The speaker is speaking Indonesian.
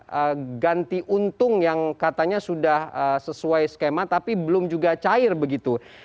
dan juga ganti untung yang katanya sudah sesuai skema tapi belum juga cair begitu